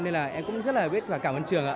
nên là em cũng rất là biết và cảm ơn trường ạ